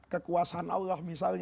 kekuasaan allah misalnya